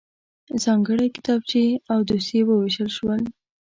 ځانګړی کتابچې او دوسيې وویشل شول.